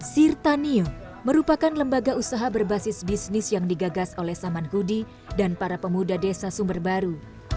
sirtanio merupakan lembaga usaha berbasis bisnis yang digagas oleh saman hudi dan para pemuda desa sumber baru